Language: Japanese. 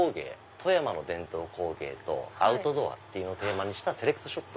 富山の伝統工芸とアウトドアをテーマにしたセレクトショップ。